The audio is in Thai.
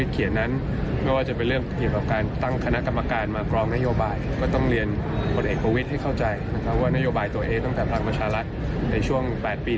เกือบยี่สิบปี